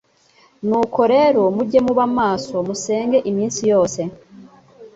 Nuko rero mujye muba maso, musenge iminsi yose